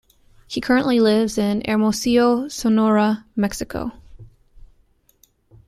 He currently lives in Hermosillo, Sonora, Mexico.